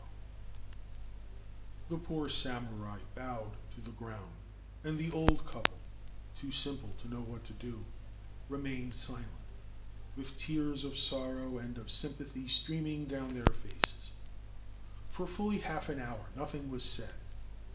Saigyo Hoshi's Rock The poor samurai bowed to the ground, and the old uple, too simple to know what to do, remained silent, th tears of sorrow and of sympathy streaming down sir faces. For fully half an hour nothing was said.